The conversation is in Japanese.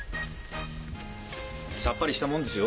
さっぱりしたもんですよ。